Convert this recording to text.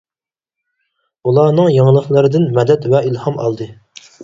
ئۇلارنىڭ يېڭىلىقلىرىدىن مەدەت ۋە ئىلھام ئالدى.